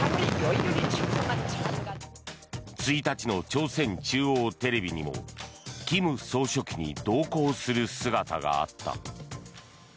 １日の朝鮮中央テレビにも金総書記に同行する姿があった。